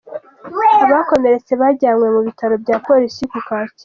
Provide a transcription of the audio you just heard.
Abakomeretse bajyanywe mu bitaro bya Polisi ku kacyiru.